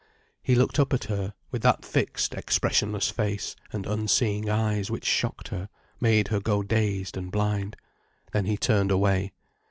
He looked up at her, with that fixed, expressionless face and unseeing eyes which shocked her, made her go dazed and blind. Then he turned away.